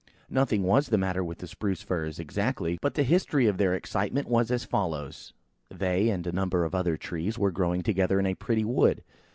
Nothing was the matter with the Spruce firs, exactly; but the history of their excitement was as follows:– They, and a number of other trees, were growing together in a pretty wood.